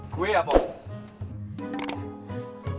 gue ya pok